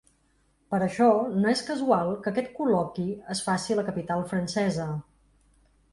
Per això no és casual que aquest col·loqui es faci a la capital francesa.